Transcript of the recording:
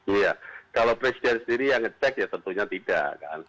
iya kalau presiden sendiri yang ngecek ya tentunya tidak kan